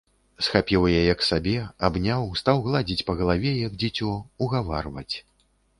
Схапіў яе к сабе, абняў, стаў гладзіць па галаве, як дзіцё, угаварваць.